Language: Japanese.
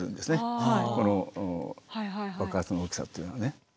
この爆発の大きさっていうのはね。